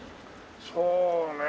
そうねえ。